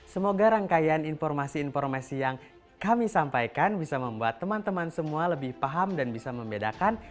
semoga rangkaian informasi informasi yang kami sampaikan bisa membuat teman teman semua lebih paham dan bisa membedakan